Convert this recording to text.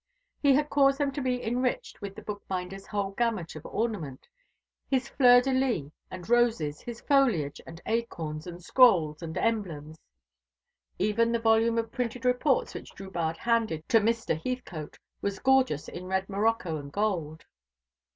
He had caused them to be enriched with the bookbinder's whole gamut of ornament his fleurs de lis and roses, his foliage and acorns, and scrolls and emblems. Even the volume of printed reports which Drubarde handed to Mr. Heathcote was gorgeous in red morocco and gold.